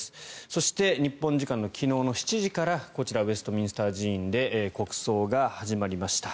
そして日本時間の昨日の７時からこちらウェストミンスター寺院で国葬が始まりました。